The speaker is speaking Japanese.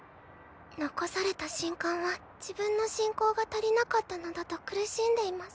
残された神官は自分の信仰が足りなかったのだと苦しんでいます。